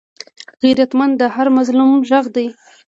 غیرتمند د هر مظلوم غږ دی